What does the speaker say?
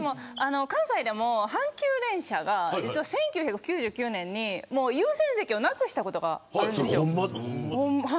関西でも阪急電車が１９９９年に優先席をなくしたことがあるんです。